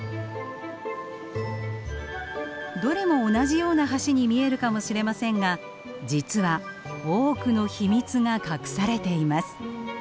どれも同じような橋に見えるかもしれませんが実は多くの秘密が隠されています。